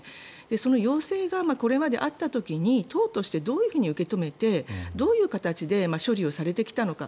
その要請が、これまであった時に党としてどういうふうに受け止めてどういう形で処理をされてきたのか。